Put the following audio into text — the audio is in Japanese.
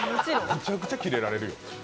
むちゃくちゃキレられるよ。